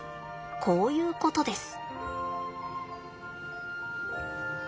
こういうことです。